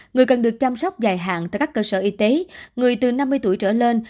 người cần được chăm sóc dài hạn tại các cơ sở y tế người từ năm mươi tuổi trở lên